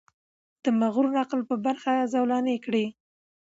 د مغرور عقل په برخه زولنې کړي.